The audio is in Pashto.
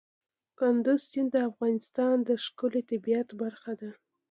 کندز سیند د افغانستان د ښکلي طبیعت برخه ده.